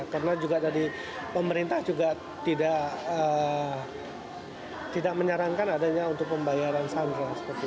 karena juga tadi pemerintah juga tidak menyerangkan adanya untuk pembayaran sandera